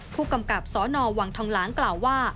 ผู้กำกับสนวังทองหลางกล่าวว่า